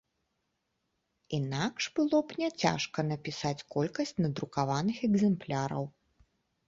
Інакш было б няцяжка напісаць колькасць надрукаваных экземпляраў.